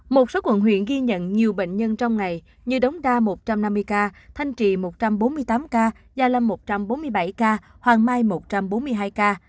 một số quận huyện ghi nhận nhiều bệnh nhân trong ngày như đống đa một trăm năm mươi ca thanh trị một trăm bốn mươi tám ca gia lâm một trăm bốn mươi bảy ca hoàng mai một trăm bốn mươi hai ca